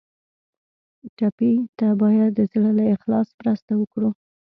ټپي ته باید د زړه له اخلاص مرسته وکړو.